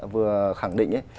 vừa khẳng định ấy